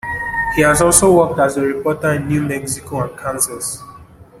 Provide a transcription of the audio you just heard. He has also worked as a reporter in New Mexico and Kansas.